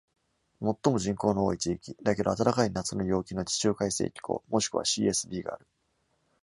最も人口の多い地域、だけど暖かい夏の陽気の地中海性気候、もしくは「Csb」がある。